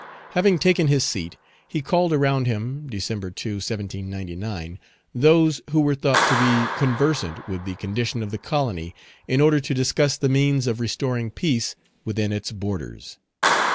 Having taken his seat, he called around him (Dec. 2, 1799,) those who were thought to be conversant with the condition of the colony, in order to discuss the means of restoring peace within its borders.